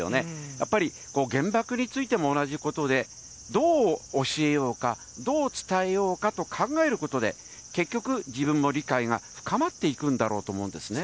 やっぱり原爆についても同じことで、どう教えようか、どう伝えようかと考えることで、結局、自分も理解が深まっていくんだろうと思うんですね。